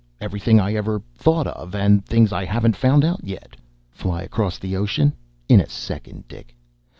Everything I ever thought of and things I haven't found out yet. "Fly across the ocean? In a second, Dick!